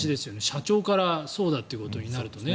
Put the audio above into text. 社長からそうだっていうことになると。